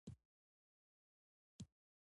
د شتمنو خلکو سره هم مالګه ضرور وه.